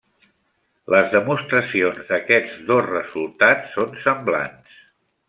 Les demostracions d'aquests dos resultats són semblants.